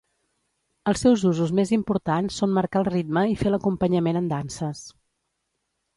Els seus usos més importants són marcar el ritme i fer l'acompanyament en danses.